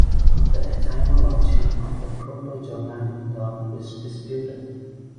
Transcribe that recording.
The etymology of the Proto-Germanic term is disputed.